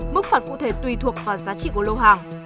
mức phạt cụ thể tùy thuộc vào giá trị của lô hàng